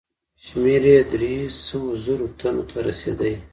شمېر یې دریو سوو زرو تنو ته رسېدی.